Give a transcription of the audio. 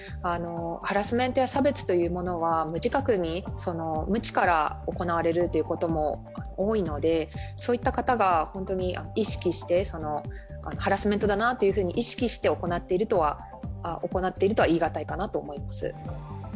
ハラスメントや差別というものは無自覚に無知から行われるということも多いのでそういった方が本当にハラスメントだなと意識して行っているとは言いがたいかなと思います。